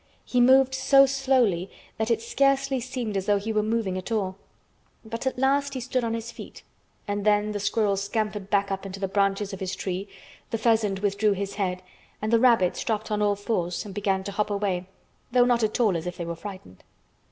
He moved so slowly that it scarcely seemed as though he were moving at all, but at last he stood on his feet and then the squirrel scampered back up into the branches of his tree, the pheasant withdrew his head and the rabbits dropped on all fours and began to hop away, though not at all as if they were frightened.